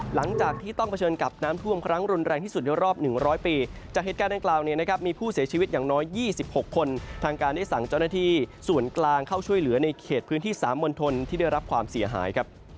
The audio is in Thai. หลังจากที่ต้องเผชิญกับน้ำท่วมครั้งรุนแรงที่สุดในรอบ๑๐๐ปีจากเหตุการณ์ดังกล่าวเนี่ยนะครับมีผู้เสียชีวิตอย่างน้อย๒๖คนทางการได้สั่งเจ้าหน้าที่ส่วนกลางเข้าช่วยเหลือในเขตพื้นที่๓มณฑลที่ได้รับความเสียหายครับ